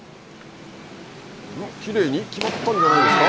きれいに決まったんじゃないですか。